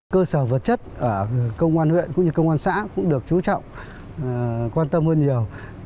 cơ sở vật chất ở công an huyện cũng như công an xã cũng được chú trọng quan tâm hơn nhiều